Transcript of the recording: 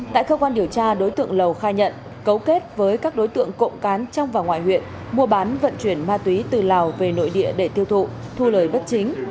tại cơ quan điều tra đối tượng lầu khai nhận cấu kết với các đối tượng cộng cán trong và ngoài huyện mua bán vận chuyển ma túy từ lào về nội địa để tiêu thụ thu lời bất chính